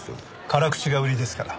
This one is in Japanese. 辛口が売りですから。